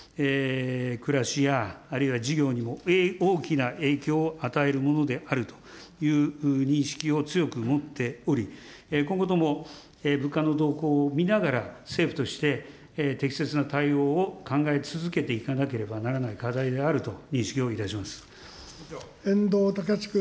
暮らしやあるいは事業にも大きな影響を与えるものであるという認識を強く持っており、今後とも物価の動向を見ながら、政府として適切な対応を考えて続けていかなければならない課題で遠藤敬君。